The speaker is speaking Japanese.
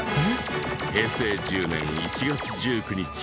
平成１０年１月１９日